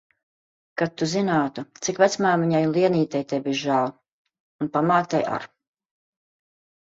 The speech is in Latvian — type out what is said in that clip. Kad tu zinātu, cik vecmāmiņai un Lienītei tevis žēl. Un pamātei ar.